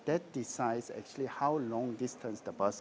itu memutuskan jauh kitaran bus